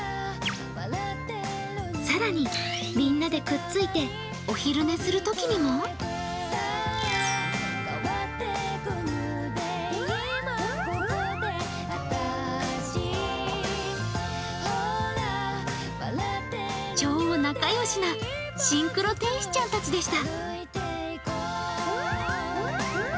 更に、みんなでくっついてお昼寝するときにも超仲良しなシンクロ天使ちゃんたちでした。